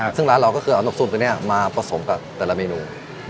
ซึ่งร้านเราก็คือเอาน้ำซุปตัวนี้มาผสมกับแต่ละเมนู